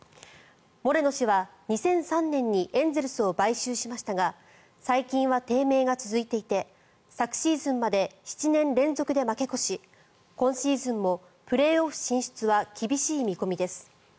モレノ氏は２００３年にエンゼルスを買収しましたが最近は低迷が続いていて昨シーズンまで７年連続で負け越し今シーズンも、プレーオフ進出は厳しい見込みです。